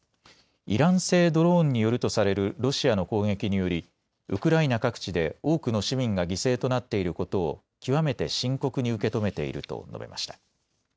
イラン製ドローンによるとされるロシアの攻撃によりウクライナ各地で多くの市民が犠牲となっていることを極めて深刻に受け止めていると述べました。